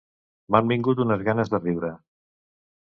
M'han vingut unes ganes de riure!